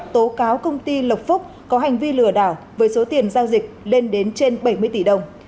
tố cáo công ty lộc phúc có hành vi lừa đảo với số tiền giao dịch lên đến trên bảy mươi tỷ đồng